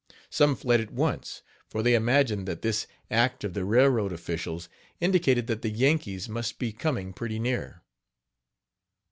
Some fled at once, for they imagined that this act of the railroad officials indicated that the Yankees must be coming pretty near.